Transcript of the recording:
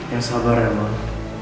ya sabar ya emang